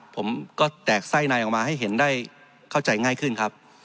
ผมก็แตกไส้ในออกมาให้เห็นได้เข้าใจง่ายขึ้นครับ